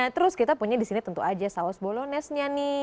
nah terus kita punya disini tentu aja saus bolognese nya nih